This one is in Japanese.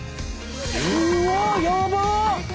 うわっやばっ！